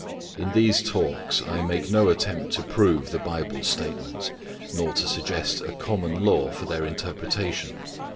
In these talks I make no attempt to prove the Bible's statements, nor to suggest a common law for their interpretation.